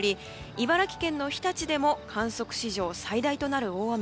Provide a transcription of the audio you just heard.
茨城県の日立でも観測史上最大となる大雨。